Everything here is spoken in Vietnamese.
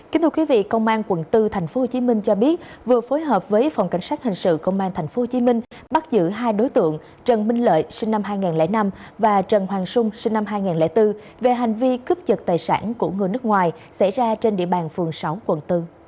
kính thưa quý vị công an quận bốn tp hcm cho biết vừa phối hợp với phòng cảnh sát hình sự công an tp hcm bắt giữ hai đối tượng trần minh lợi sinh năm hai nghìn năm và trần hoàng sung sinh năm hai nghìn bốn về hành vi cướp giật tài sản của người nước ngoài xảy ra trên địa bàn phường sáu quận bốn